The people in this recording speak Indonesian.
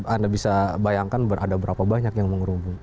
anda bisa bayangkan ada berapa banyak yang mengerumun